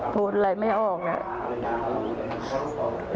พูดอะไรไม่ออกนะ